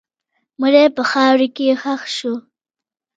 مړی په خاوره کې ښخ شو.